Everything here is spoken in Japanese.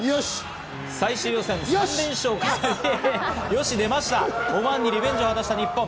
最終予選、３連勝を飾ってオマーンにリベンジを果たした日本。